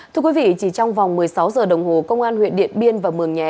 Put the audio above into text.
thưa quý vị chỉ trong vòng một mươi sáu giờ đồng hồ công an huyện điện biên và mường nhé